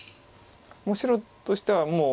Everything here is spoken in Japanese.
白としてはもう。